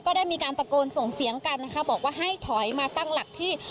ได้มีการตะโกนส่งเสียงกันนะคะบอกว่าให้ถอยมาตั้งหลักที่